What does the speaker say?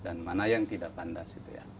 dan mana yang tidak pantas